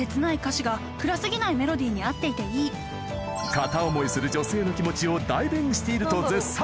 片思いする女性の気持ちを代弁していると絶賛！